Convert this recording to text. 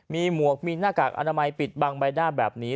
มีหมวกมีหน้ากากอนามัยปิดบังใบหน้าแบบนี้